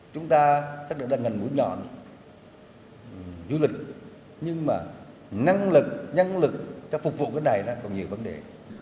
chúng ta xác định là ngành mũi nhọn du lịch nhưng mà năng lực nhân lực cho phục vụ cái này còn nhiều vấn đề